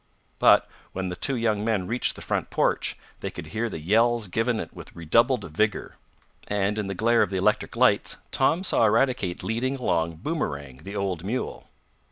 But when the two young men reached the front porch, they could hear the yells given with redoubled vigor. And, in the glare of the electric lights, Tom saw Eradicate leading along Boomerang, the old mule.